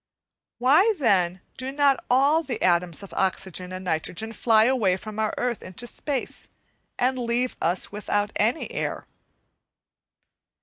Why, then, do not all the atoms of oxygen and nitrogen fly away from our earth into space, and leave us without any air?